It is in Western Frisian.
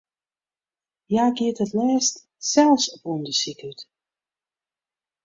Hja giet it leafst sels op ûndersyk út.